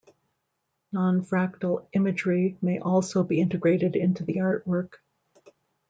Non-fractal imagery may also be integrated into the artwork.